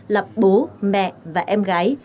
là bố mẹ và em gái